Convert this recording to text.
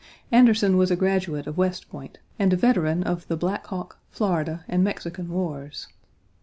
Anderson was a graduate of West Point and a veteran of the Black Hawk, Florida, and Mexican Wars.